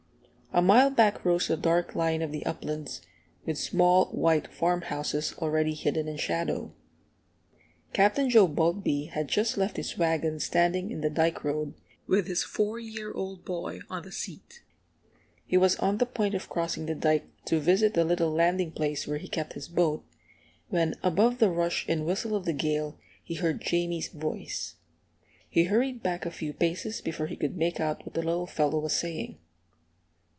A mile back rose the dark line of the uplands, with small, white farmhouses already hidden in shadow. Captain Joe Boultbee had just left his wagon standing in the dike road, with his four year old boy on the seat. He was on the point of crossing the dike, to visit the little landing place where he kept his boat, when above the rush and whistle of the gale he heard Jamie's voice. He hurried back a few paces before he could make out what the little fellow was saying.